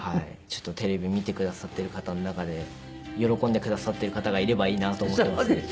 ちょっとテレビ見てくださっている方の中で喜んでくださっている方がいればいいなと思っていますけど。